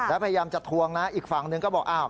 แล้วพยายามจะทวงนะอีกฝั่งหนึ่งก็บอกอ้าว